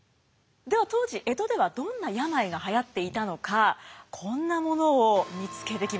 では当時江戸ではどんな病がはやっていたのかこんなものを見つけてきました。